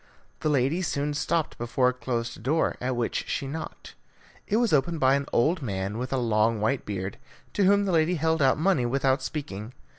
The lady soon stopped before a closed door, at which she knocked. It was opened by an old man with a long white beard, to whom the lady held out money without speaking.